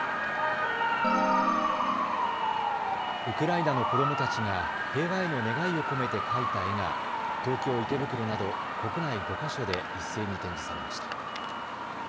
ウクライナの子どもたちが平和への願いを込めて描いた絵が東京池袋など国内５か所で一斉に展示されました。